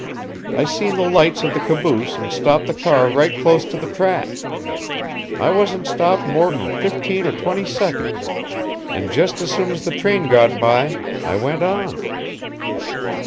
I seen the lights of the caboose and stopped the car right close to the track. I wasn't stopped more'n fifteen or twenty seconds, and just as soon as the train got by, I went on."